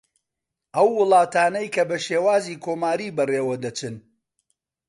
ئەو وڵاتانەی کە بە شێوازی کۆماری بە ڕێوە دەچن